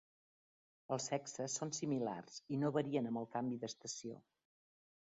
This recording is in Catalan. Els sexes són similars, i no varien amb el canvi d'estació.